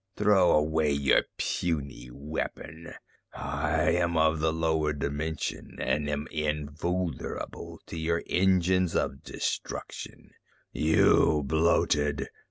Throw away your puny weapon. I am of the lower dimension and am invulnerable to your engines of destruction. You bloated...."